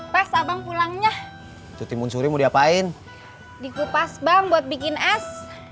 pas abang pulangnya j spielmann suruh mau diapain dikupas bang buat bikin es